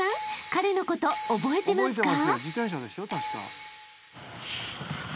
彼のこと覚えてますか？］